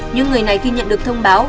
những người này khi nhận được thông báo